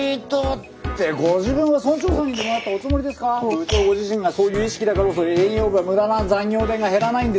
部長ご自身がそういう意識だから営業部は無駄な残業代が減らないんですよ。